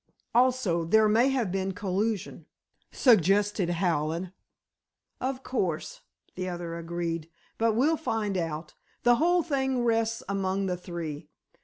"Also, there may have been collusion," suggested Hallen. "Of course," the other agreed. "But we'll find out. The whole thing rests among the three.